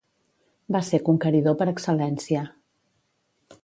Va ser conqueridor per excel·lència.